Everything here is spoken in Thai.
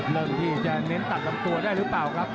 เริ่มที่จะเน้นตัดลำตัวได้หรือเปล่าครับ